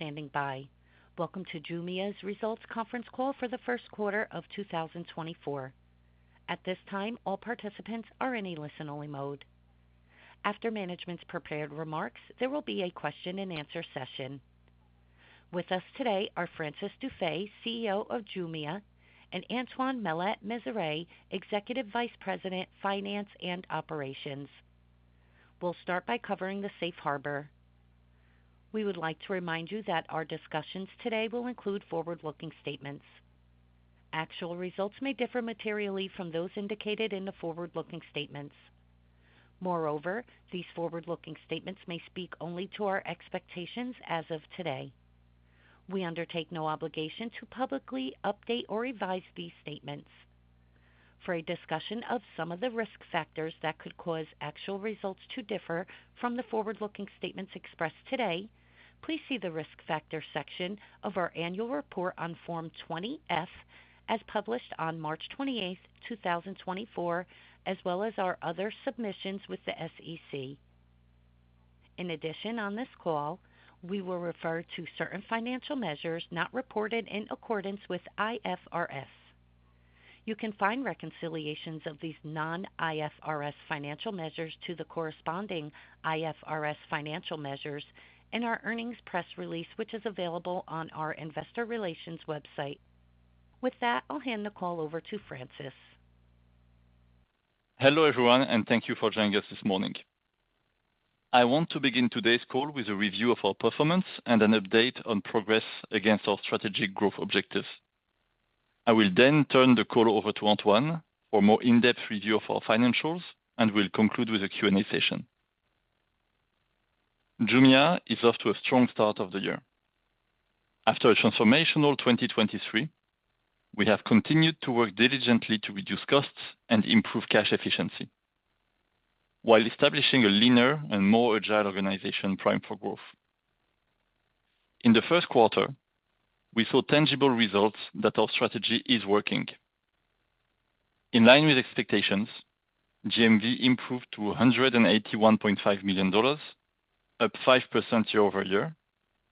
Standing by. Welcome to Jumia's results conference call for the first quarter of 2024. At this time, all participants are in a listen-only mode. After management's prepared remarks, there will be a question-and-answer session. With us today are Francis Dufay, CEO of Jumia, and Antoine Maillet-Mezeray, Executive Vice President, Finance and Operations. We'll start by covering the Safe Harbor. We would like to remind you that our discussions today will include forward-looking statements. Actual results may differ materially from those indicated in the forward-looking statements. Moreover, these forward-looking statements may speak only to our expectations as of today. We undertake no obligation to publicly update or revise these statements. For a discussion of some of the risk factors that could cause actual results to differ from the forward-looking statements expressed today, please see the risk factor section of our annual report on Form 20-F as published on March 28, 2024, as well as our other submissions with the SEC. In addition, on this call, we will refer to certain financial measures not reported in accordance with IFRS. You can find reconciliations of these non-IFRS financial measures to the corresponding IFRS financial measures in our earnings press release, which is available on our investor relations website. With that, I'll hand the call over to Francis. Hello everyone, and thank you for joining us this morning. I want to begin today's call with a review of our performance and an update on progress against our strategic growth objectives. I will then turn the call over to Antoine for a more in-depth review of our financials and will conclude with a Q&A session. Jumia is off to a strong start of the year. After a transformational 2023, we have continued to work diligently to reduce costs and improve cash efficiency, while establishing a leaner and more agile organization primed for growth. In the first quarter, we saw tangible results that our strategy is working. In line with expectations, GMV improved to $181.5 million, up 5% year-over-year,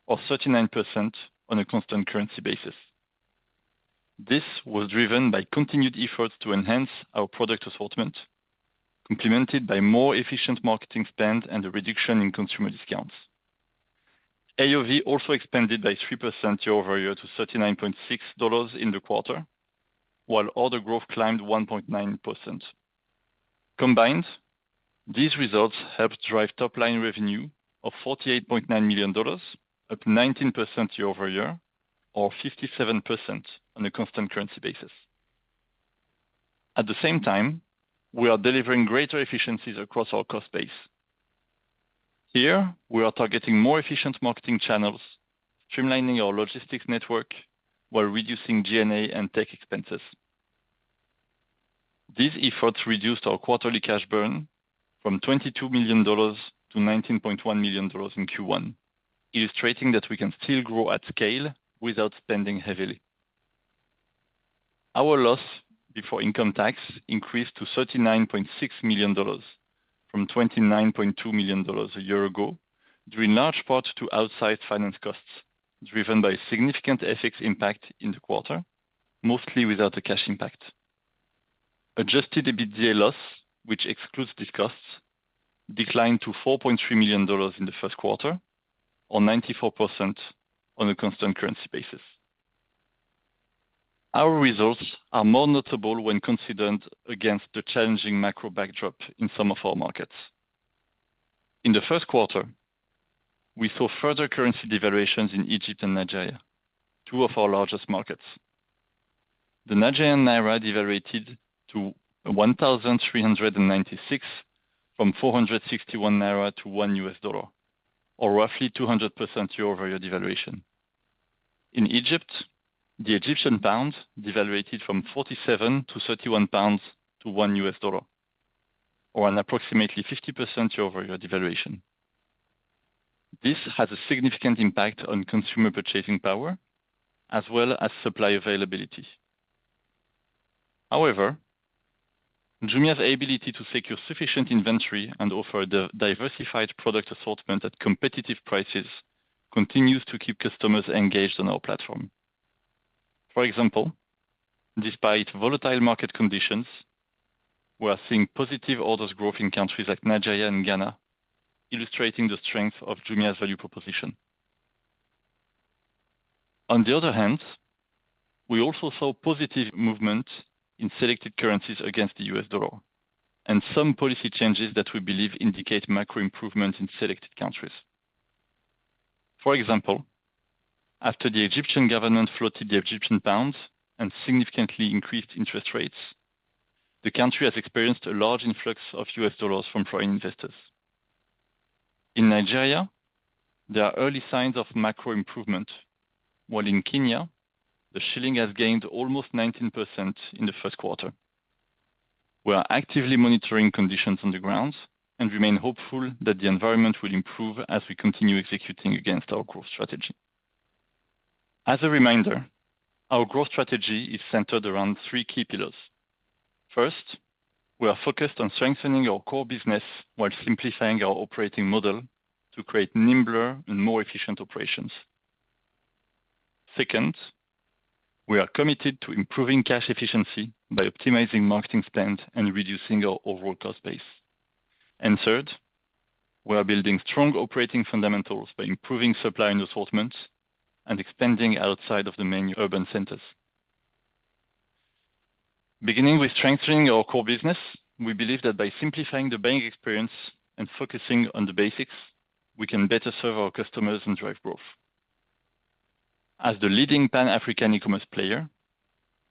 or 39% on a constant currency basis. This was driven by continued efforts to enhance our product assortment, complemented by more efficient marketing spend and a reduction in consumer discounts. AOV also expanded by 3% year-over-year to $39.6 in the quarter, while order growth climbed 1.9%. Combined, these results helped drive top-line revenue of $48.9 million, up 19% year-over-year, or 57% on a constant currency basis. At the same time, we are delivering greater efficiencies across our cost base. Here, we are targeting more efficient marketing channels, streamlining our logistics network while reducing G&A and tech expenses. These efforts reduced our quarterly cash burn from $22 million to $19.1 million in Q1, illustrating that we can still grow at scale without spending heavily. Our loss before income tax increased to $39.6 million from $29.2 million a year ago, due in large part to outsized finance costs driven by significant FX impact in the quarter, mostly without a cash impact. Adjusted EBITDA loss, which excludes these costs, declined to $4.3 million in the first quarter, or 94% on a constant currency basis. Our results are more notable when considered against the challenging macro backdrop in some of our markets. In the first quarter, we saw further currency devaluations in Egypt and Nigeria, two of our largest markets. The Nigerian naira devalued to 1,396 from 461 naira to 1 U.S. dollar, or roughly 200% year-over-year devaluation. In Egypt, the Egyptian pound devalued from 47 to 31 pounds to 1 U.S. dollar, or an approximately 50% year-over-year devaluation. This has a significant impact on consumer purchasing power, as well as supply availability. However, Jumia's ability to secure sufficient inventory and offer a diversified product assortment at competitive prices continues to keep customers engaged on our platform. For example, despite volatile market conditions, we are seeing positive orders growth in countries like Nigeria and Ghana, illustrating the strength of Jumia's value proposition. On the other hand, we also saw positive movement in selected currencies against the U.S. dollar, and some policy changes that we believe indicate macro improvement in selected countries. For example, after the Egyptian government floated the Egyptian pound and significantly increased interest rates, the country has experienced a large influx of U.S. dollars from foreign investors. In Nigeria, there are early signs of macro improvement, while in Kenya, the shilling has gained almost 19% in the first quarter. We are actively monitoring conditions on the ground and remain hopeful that the environment will improve as we continue executing against our growth strategy. As a reminder, our growth strategy is centered around three key pillars. First, we are focused on strengthening our core business while simplifying our operating model to create nimbler and more efficient operations. Second, we are committed to improving cash efficiency by optimizing marketing spend and reducing our overall cost base. And third, we are building strong operating fundamentals by improving supply and assortment and expanding outside of the main urban centers. Beginning with strengthening our core business, we believe that by simplifying the buying experience and focusing on the basics, we can better serve our customers and drive growth. As the leading Pan-African e-commerce player,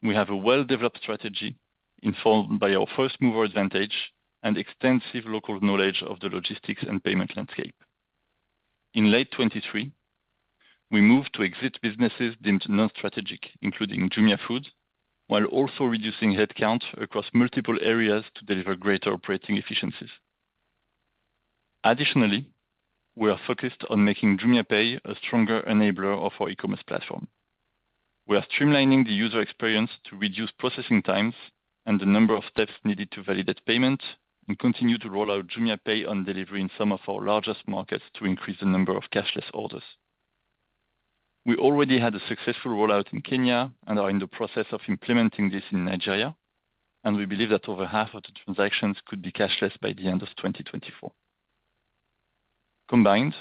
we have a well-developed strategy informed by our first-mover advantage and extensive local knowledge of the logistics and payment landscape. In late 2023, we moved to exit businesses deemed non-strategic, including Jumia Food, while also reducing headcount across multiple areas to deliver greater operating efficiencies. Additionally, we are focused on making JumiaPay a stronger enabler of our e-commerce platform. We are streamlining the user experience to reduce processing times and the number of steps needed to validate payment, and continue to roll out JumiaPay on Delivery in some of our largest markets to increase the number of cashless orders. We already had a successful rollout in Kenya and are in the process of implementing this in Nigeria, and we believe that over half of the transactions could be cashless by the end of 2024. Combined,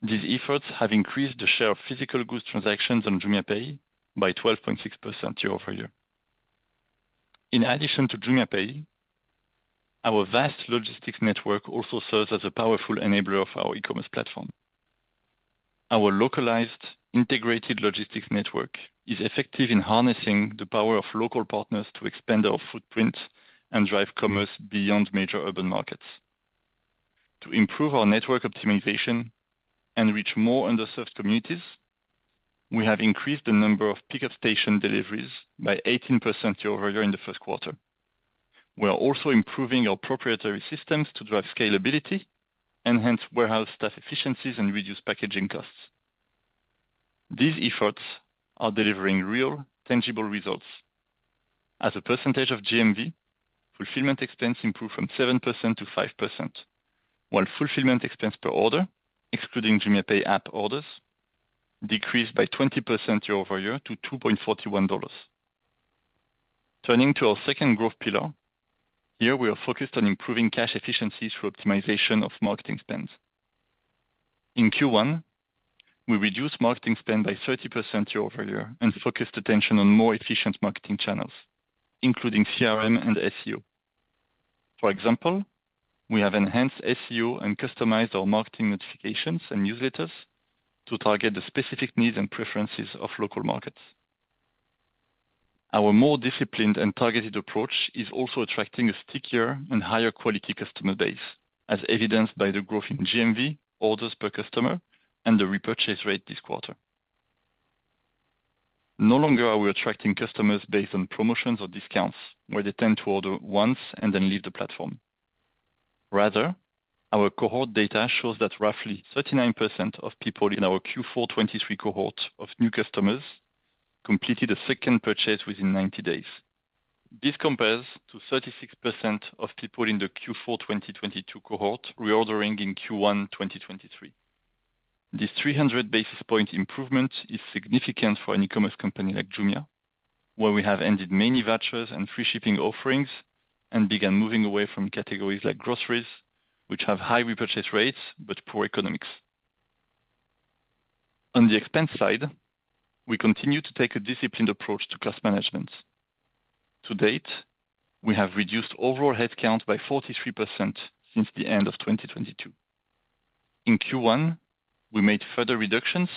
these efforts have increased the share of physical goods transactions on JumiaPay by 12.6% year-over-year. In addition to JumiaPay, our vast logistics network also serves as a powerful enabler of our e-commerce platform. Our localized, integrated logistics network is effective in harnessing the power of local partners to expand our footprint and drive commerce beyond major urban markets. To improve our network optimization and reach more underserved communities, we have increased the number of Pickup Station deliveries by 18% year-over-year in the first quarter. We are also improving our proprietary systems to drive scalability, enhance warehouse staff efficiencies, and reduce packaging costs. These efforts are delivering real, tangible results. As a percentage of GMV, fulfillment expense improved from 7% to 5%, while fulfillment expense per order, excluding JumiaPay app orders, decreased by 20% year-over-year to $2.41. Turning to our second growth pillar, here we are focused on improving cash efficiencies through optimization of marketing spend. In Q1, we reduced marketing spend by 30% year-over-year and focused attention on more efficient marketing channels, including CRM and SEO. For example, we have enhanced SEO and customized our marketing notifications and newsletters to target the specific needs and preferences of local markets. Our more disciplined and targeted approach is also attracting a stickier and higher-quality customer base, as evidenced by the growth in GMV, orders per customer, and the repurchase rate this quarter. No longer are we attracting customers based on promotions or discounts, where they tend to order once and then leave the platform. Rather, our cohort data shows that roughly 39% of people in our Q4 2023 cohort of new customers completed a second purchase within 90 days. This compares to 36% of people in the Q4 2022 cohort reordering in Q1 2023. This 300 basis point improvement is significant for an e-commerce company like Jumia, where we have ended many vouchers and free shipping offerings and began moving away from categories like groceries, which have high repurchase rates but poor economics. On the expense side, we continue to take a disciplined approach to cost management. To date, we have reduced overall headcount by 43% since the end of 2022. In Q1, we made further reductions,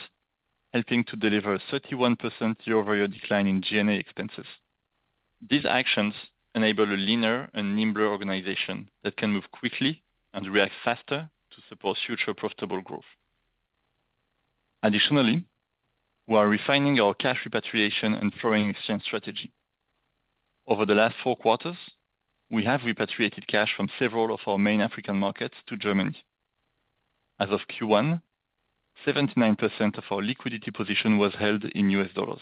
helping to deliver a 31% year-over-year decline in G&A expenses. These actions enable a leaner and nimbler organization that can move quickly and react faster to support future profitable growth. Additionally, we are refining our cash repatriation and foreign exchange strategy. Over the last 4 quarters, we have repatriated cash from several of our main African markets to Germany. As of Q1, 79% of our liquidity position was held in U.S. dollars.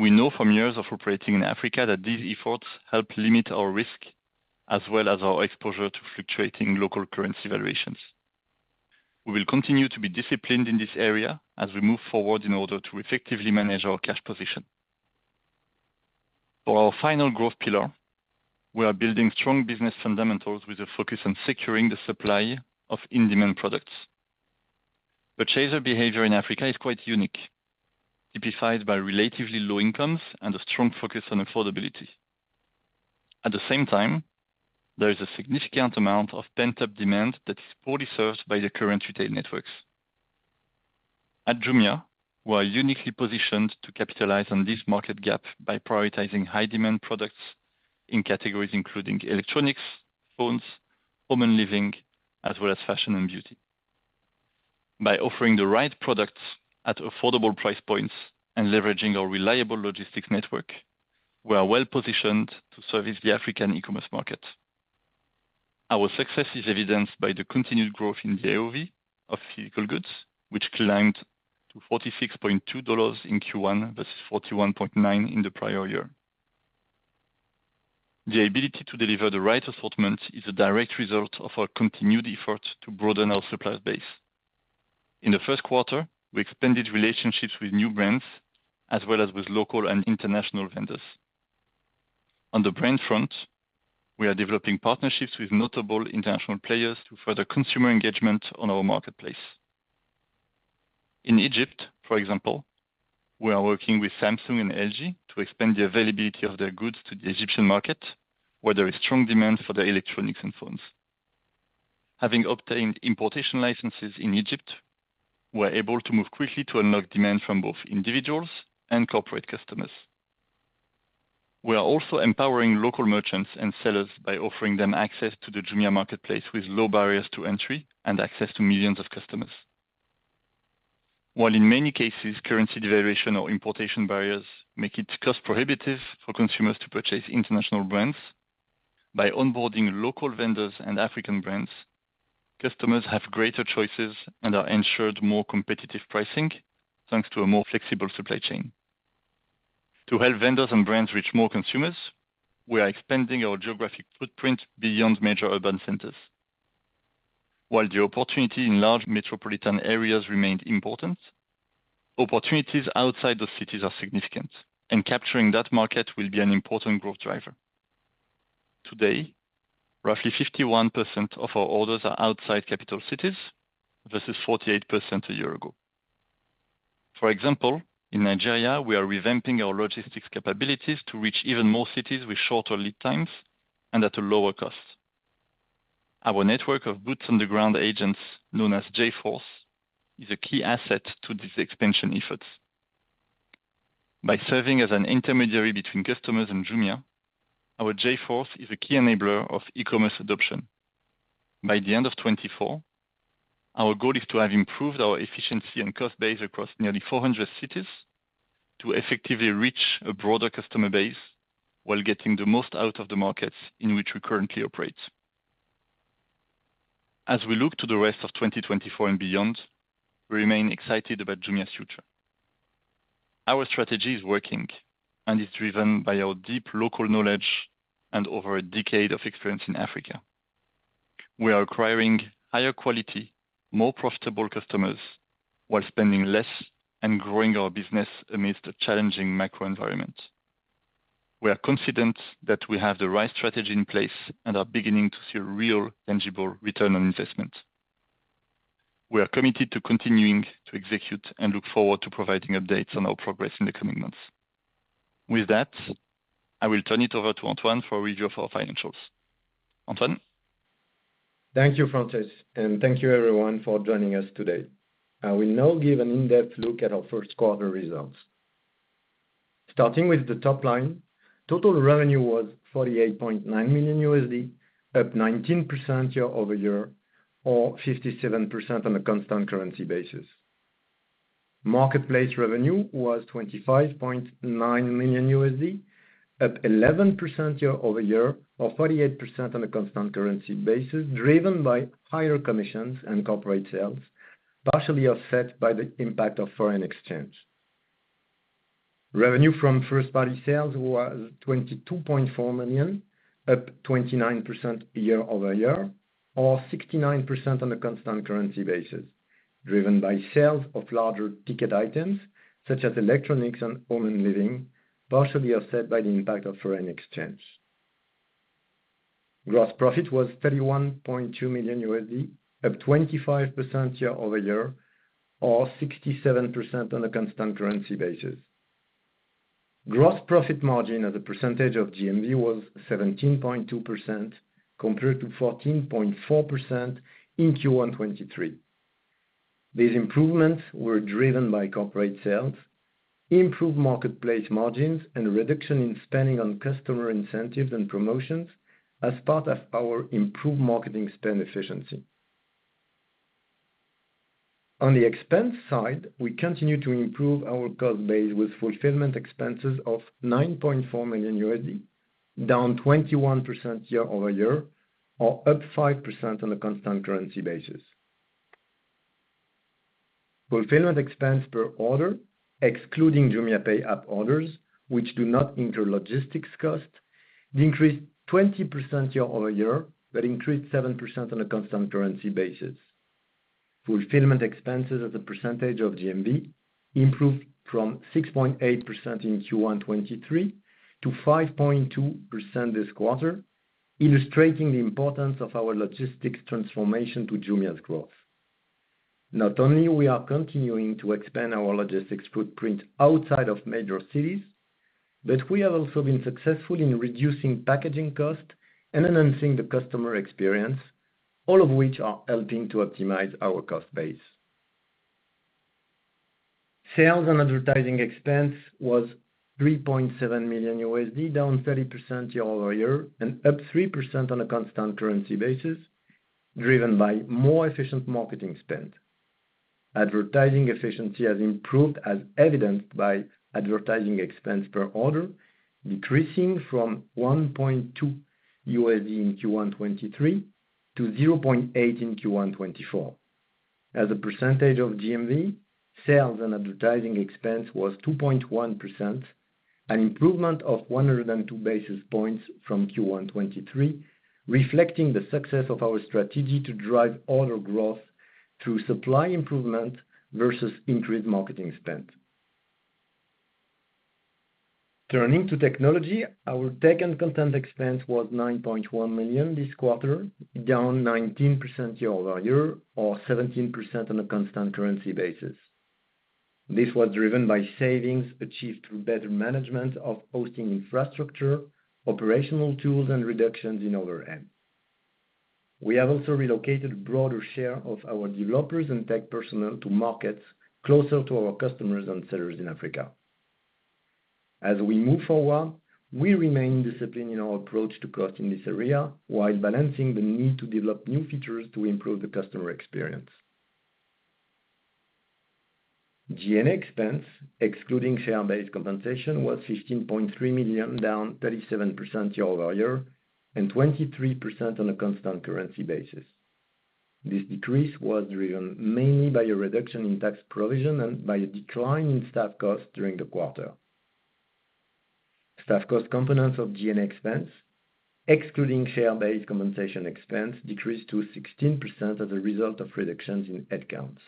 We know from years of operating in Africa that these efforts help limit our risk as well as our exposure to fluctuating local currency valuations. We will continue to be disciplined in this area as we move forward in order to effectively manage our cash position. For our final growth pillar, we are building strong business fundamentals with a focus on securing the supply of in-demand products. Purchaser behavior in Africa is quite unique, typified by relatively low incomes and a strong focus on affordability. At the same time, there is a significant amount of pent-up demand that is poorly served by the current retail networks. At Jumia, we are uniquely positioned to capitalize on this market gap by prioritizing high-demand products in categories including electronics, phones, home and living, as well as fashion and beauty. By offering the right products at affordable price points and leveraging our reliable logistics network, we are well positioned to service the African e-commerce market. Our success is evidenced by the continued growth in the AOV of physical goods, which climbed to $46.2 in Q1 versus $41.9 in the prior year. The ability to deliver the right assortment is a direct result of our continued effort to broaden our supplier base. In the first quarter, we expanded relationships with new brands, as well as with local and international vendors. On the brand front, we are developing partnerships with notable international players to further consumer engagement on our marketplace. In Egypt, for example, we are working with Samsung and LG to expand the availability of their goods to the Egyptian market, where there is strong demand for their electronics and phones. Having obtained importation licenses in Egypt, we are able to move quickly to unlock demand from both individuals and corporate customers. We are also empowering local merchants and sellers by offering them access to the Jumia marketplace with low barriers to entry and access to millions of customers. While in many cases currency devaluation or importation barriers make it cost prohibitive for consumers to purchase international brands, by onboarding local vendors and African brands, customers have greater choices and are ensured more competitive pricing thanks to a more flexible supply chain. To help vendors and brands reach more consumers, we are expanding our geographic footprint beyond major urban centers. While the opportunity in large metropolitan areas remains important, opportunities outside those cities are significant, and capturing that market will be an important growth driver. Today, roughly 51% of our orders are outside capital cities versus 48% a year ago. For example, in Nigeria, we are revamping our logistics capabilities to reach even more cities with shorter lead times and at a lower cost. Our network of boots-on-the-ground agents, known as J-Force, is a key asset to these expansion efforts. By serving as an intermediary between customers and Jumia, our J-Force is a key enabler of e-commerce adoption. By the end of 2024, our goal is to have improved our efficiency and cost base across nearly 400 cities to effectively reach a broader customer base while getting the most out of the markets in which we currently operate. As we look to the rest of 2024 and beyond, we remain excited about Jumia's future. Our strategy is working and is driven by our deep local knowledge and over a decade of experience in Africa. We are acquiring higher quality, more profitable customers while spending less and growing our business amidst a challenging macro environment. We are confident that we have the right strategy in place and are beginning to see a real, tangible return on investment. We are committed to continuing to execute and look forward to providing updates on our progress in the coming months. With that, I will turn it over to Antoine for a review of our financials. Antoine? Thank you, Francis, and thank you everyone for joining us today. I will now give an in-depth look at our first quarter results. Starting with the top line, total revenue was $48.9 million, up 19% year-over-year, or 57% on a constant currency basis. Marketplace revenue was $25.9 million, up 11% year-over-year, or 48% on a constant currency basis, driven by higher commissions and corporate sales, partially offset by the impact of foreign exchange. Revenue from first-party sales was $22.4 million, up 29% year-over-year, or 69% on a constant currency basis, driven by sales of larger ticket items such as electronics and home and living, partially offset by the impact of foreign exchange. Gross profit was $31.2 million, up 25% year-over-year, or 67% on a constant currency basis. Gross profit margin, as a percentage of GMV, was 17.2% compared to 14.4% in Q1-2023. These improvements were driven by corporate sales, improved marketplace margins, and reduction in spending on customer incentives and promotions as part of our improved marketing spend efficiency. On the expense side, we continue to improve our cost base with fulfillment expenses of $9.4 million, down 21% year-over-year, or up 5% on a constant currency basis. Fulfillment expense per order, excluding JumiaPay app orders, which do not incur logistics costs, decreased 20% year-over-year but increased 7% on a constant currency basis. Fulfillment expenses, as a percentage of GMV, improved from 6.8% in Q1 2023 to 5.2% this quarter, illustrating the importance of our logistics transformation to Jumia's growth. Not only are we continuing to expand our logistics footprint outside of major cities, but we have also been successful in reducing packaging costs and enhancing the customer experience, all of which are helping to optimize our cost base. Sales and advertising expense was $3.7 million, down 30% year-over-year and up 3% on a constant currency basis, driven by more efficient marketing spend. Advertising efficiency has improved, as evidenced by advertising expense per order, decreasing from $1.2 in Q1 2023 to $0.8 in Q1 2024. As a percentage of GMV, sales and advertising expense was 2.1%, an improvement of 102 basis points from Q1 2023, reflecting the success of our strategy to drive order growth through supply improvement versus increased marketing spend. Turning to technology, our tech and content expense was $9.1 million this quarter, down 19% year-over-year or 17% on a constant currency basis. This was driven by savings achieved through better management of hosting infrastructure, operational tools, and reductions in overhead. We have also relocated a broader share of our developers and tech personnel to markets closer to our customers and sellers in Africa. As we move forward, we remain disciplined in our approach to cost in this area while balancing the need to develop new features to improve the customer experience. G&A expense, excluding share-based compensation, was $15.3 million, down 37% year-over-year and 23% on a constant currency basis. This decrease was driven mainly by a reduction in tax provision and by a decline in staff costs during the quarter. Staff cost components of G&A expense, excluding share-based compensation expense, decreased to 16% as a result of reductions in headcounts.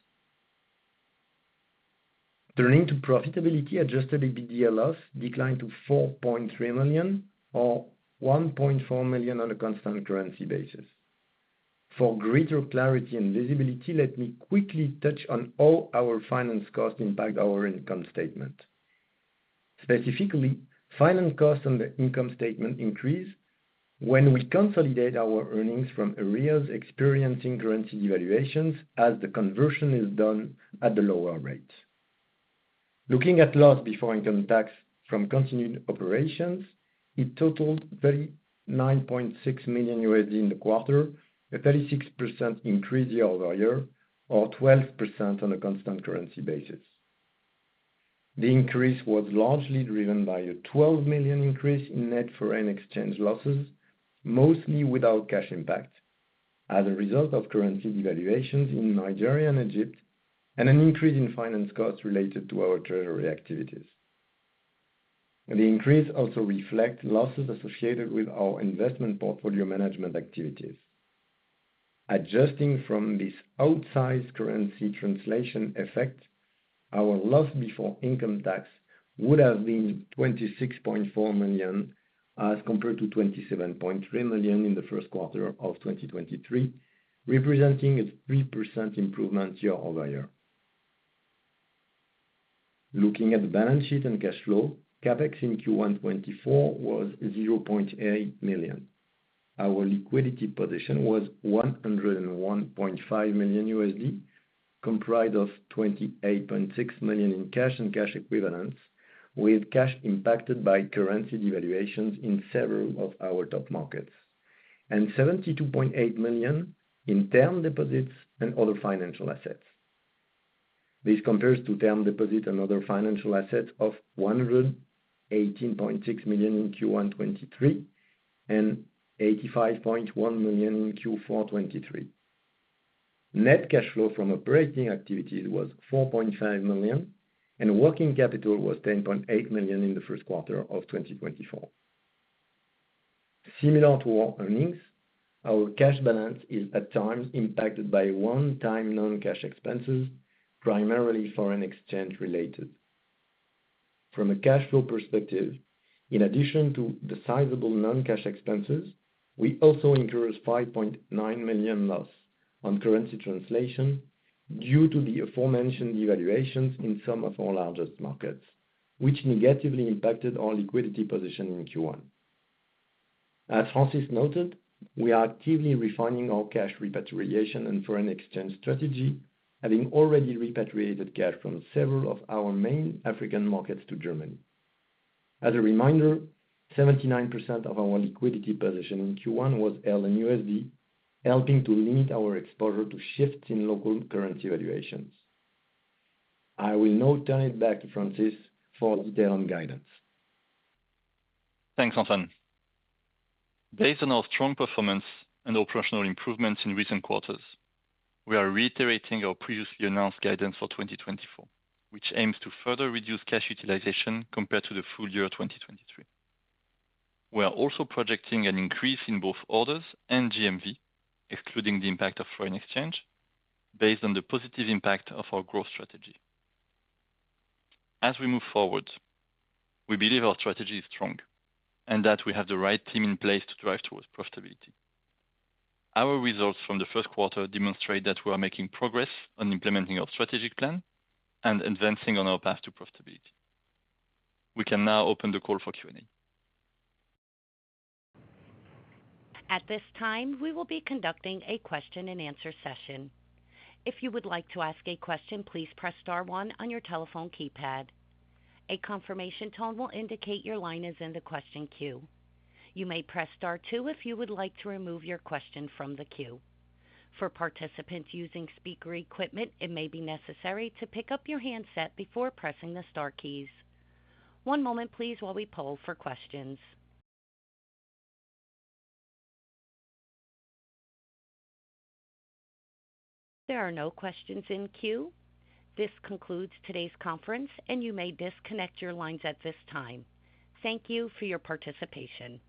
Turning to profitability, Adjusted EBITDA loss declined to $4.3 million or $1.4 million on a constant currency basis. For greater clarity and visibility, let me quickly touch on how our finance costs impact our income statement. Specifically, finance costs on the income statement increase when we consolidate our earnings from areas experiencing currency devaluations as the conversion is done at the lower rate. Looking at loss before income tax from continued operations, it totaled $39.6 million in the quarter, a 36% increase year-over-year or 12% on a constant currency basis. The increase was largely driven by a $12 million increase in net foreign exchange losses, mostly without cash impact, as a result of currency devaluations in Nigeria and Egypt and an increase in finance costs related to our treasury activities. The increase also reflects losses associated with our investment portfolio management activities. Adjusting from this outsized currency translation effect, our loss before income tax would have been $26.4 million as compared to $27.3 million in the first quarter of 2023, representing a 3% improvement year-over-year. Looking at the balance sheet and cash flow, Capex in Q1 2024 was $0.8 million. Our liquidity position was $101.5 million, comprised of $28.6 million in cash and cash equivalents, with cash impacted by currency devaluations in several of our top markets, and $72.8 million in term deposits and other financial assets. This compares to term deposit and other financial assets of $118.6 million in Q1 2023 and $85.1 million in Q4 2023. Net cash flow from operating activities was $4.5 million, and working capital was $10.8 million in the first quarter of 2024. Similar to our earnings, our cash balance is at times impacted by one-time non-cash expenses, primarily foreign exchange related. From a cash flow perspective, in addition to the sizable non-cash expenses, we also incurred $5.9 million loss on currency translation due to the aforementioned devaluations in some of our largest markets, which negatively impacted our liquidity position in Q1. As Francis noted, we are actively refining our cash repatriation and foreign exchange strategy, having already repatriated cash from several of our main African markets to Germany. As a reminder, 79% of our liquidity position in Q1 was held in USD, helping to limit our exposure to shifts in local currency valuations. I will now turn it back to Francis for detailed guidance. Thanks, Antoine. Based on our strong performance and operational improvements in recent quarters, we are reiterating our previously announced guidance for 2024, which aims to further reduce cash utilization compared to the full year 2023. We are also projecting an increase in both orders and GMV, excluding the impact of foreign exchange, based on the positive impact of our growth strategy. As we move forward, we believe our strategy is strong and that we have the right team in place to drive towards profitability. Our results from the first quarter demonstrate that we are making progress on implementing our strategic plan and advancing on our path to profitability. We can now open the call for Q&A. At this time, we will be conducting a question-and-answer session. If you would like to ask a question, please press star one on your telephone keypad. A confirmation tone will indicate your line is in the question queue. You may press star two if you would like to remove your question from the queue. For participants using speaker equipment, it may be necessary to pick up your handset before pressing the star keys. One moment, please, while we poll for questions. There are no questions in queue. This concludes today's conference, and you may disconnect your lines at this time. Thank you for your participation.